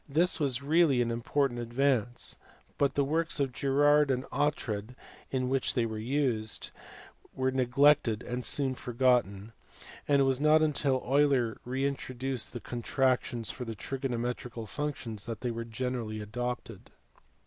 This was really an important advance, but the works of Girard and Oughtred, in which they were used, were neglected and soon forgotten, and it was not until Euler reintroduced con tractions for the trigonometrical functions that they were generally adopted.